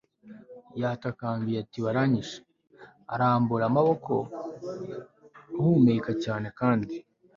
yatakambiye ati 'baranyishe,' arambura amaboko, ahumeka cyane kandi